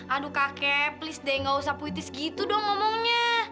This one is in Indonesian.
aduh kakek please deh gak usah puitis gitu dong ngomongnya